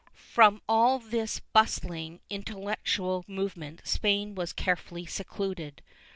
From all this bustling intellectual movement Spain was carefully secluded.